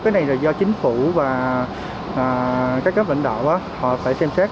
cái này là do chính phủ và các cấp lãnh đạo họ phải xem xét